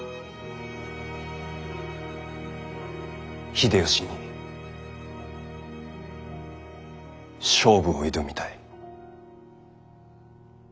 秀吉に勝負を挑みたい。